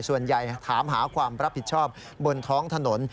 ส่วนใหญ่ถามหาความประผิดชอบบนท้องถนน